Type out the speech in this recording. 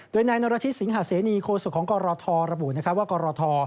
โดยนายนรชิตสิงหาเสนีโคศกของกรทระบุว่ากรท